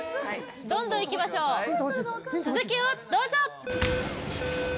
どんどんいきましょう続きをどうぞ！